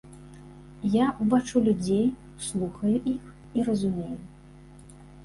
Я бачу людзей, слухаю іх і разумею.